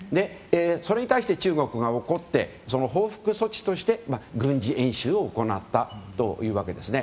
それに対して、中国が怒って報復措置として軍事演習を行ったというわけですね。